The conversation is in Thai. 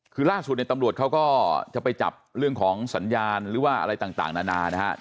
คือล่าสุดในตำรวจเขาก็จะไปจับเรื่องของสัญญาณหรือว่าอะไรต่างนานานะครับ